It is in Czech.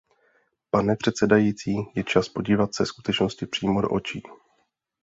Pane předsedající, je čas podívat se skutečnosti přímo do očí.